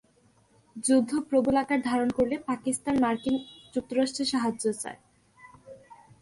যুদ্ধ প্রবল আকার ধারণ করলে পাকিস্তান মার্কিন যুক্তরাষ্ট্রের সাহায্য চায়।